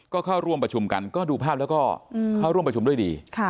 ก็เข้าร่วมประชุมกันก็ดูภาพแล้วก็เข้าร่วมประชุมด้วยดี